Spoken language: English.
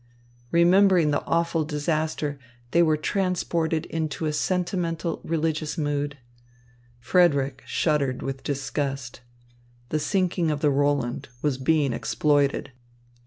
Remembering the awful disaster, they were transported into a sentimental, religious mood. Frederick shuddered with disgust. The sinking of the Roland was being exploited.